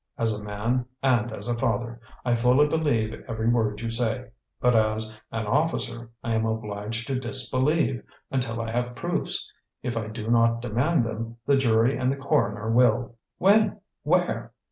As a man and a father, I fully believe every word you say; but as an officer, I am obliged to disbelieve until I have proofs. If I do not demand them, the jury and the coroner will." "When? Where?"